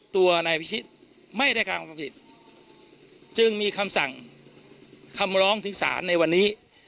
ตัวนายพิชิตไม่ได้การความผิดจึงมีคำสั่งคำร้องถึงศาลในวันนี้